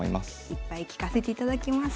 いっぱい聞かせていただきます。